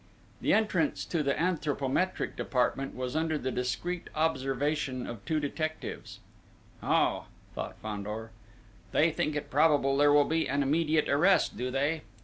The entrance to the anthropometric department was under the discreet observation of two detectives: "Oh," thought Fandor. "They think it probable there will be an immediate arrest, do they?